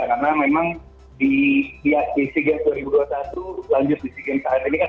karena memang di psg dua ribu dua belas itu memang memang sangat banyak pemain